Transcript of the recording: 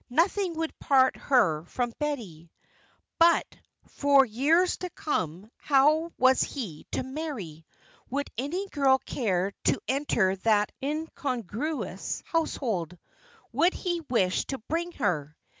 Nothing would part her from Betty. But, for years to come, how was he to marry? Would any girl care to enter that incongruous household? Would he wish to bring her?